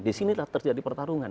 di sini terjadi pertarungan